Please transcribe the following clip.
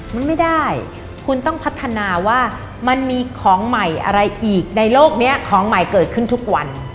มันไม่ได้คุณต้องพัฒนาว่ามันมีของใหม่อะไรอีกในโลกนี้ของใหม่เกิดขึ้นทุกวัน